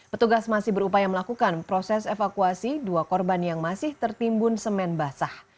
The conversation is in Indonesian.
petugas masih berupaya melakukan proses evakuasi dua korban yang masih tertimbun semen basah